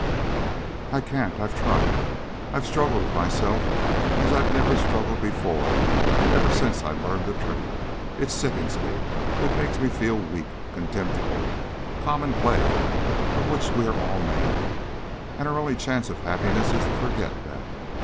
"I can't. I've tried, I've struggled with myself as I've never struggled before, ever since I learned the truth. It sickens me. It makes me feel the weak, contemptible, common clay of which we all are made, and our only chance of happiness is to forget that.